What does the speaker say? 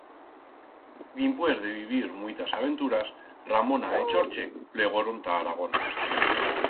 Dimpués de vivir muitas aventuras, Ramona e Chorche plegoron ta Aragón.